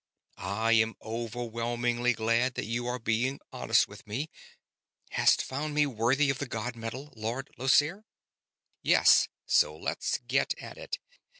I am overwhelmingly glad that you are being honest with me. Hast found me worthy of the god metal, Lord Llosir?" "Yes, so let's get at it.